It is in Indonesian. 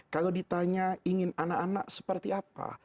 kalau ditanya ingin anak anak seperti apa